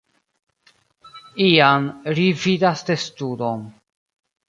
Iam, ri vidas testudon.